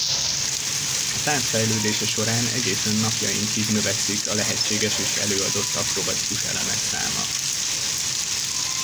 A tánc fejlődése során egészen napjainkig növekszik a lehetséges és előadott akrobatikus elemek száma.